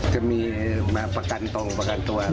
จะมีแม่ประกันตัว